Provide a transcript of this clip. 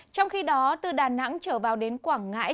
trong khi đó từ đà nẵng trở vào đến quảng ngãi